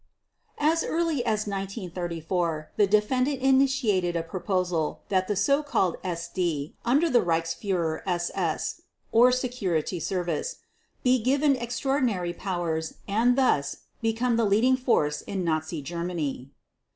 As early as 1934 the defendant initiated a proposal that the so called SD under the Reichsführer SS (Security Service) be given extraordinary powers and thus become the leading force in Nazi Germany.